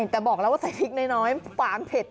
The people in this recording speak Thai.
แต่บอกแล้วว่าใส่พริกน้อยฝางเผ็ด